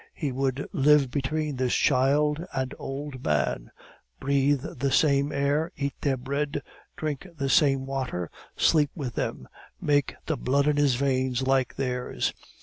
He would live between this child and old man, breathe the same air; eat their bread, drink the same water, sleep with them, make the blood in his veins like theirs.